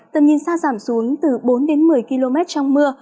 tầm nhìn xa giảm xuống từ bốn đến một mươi km trong mưa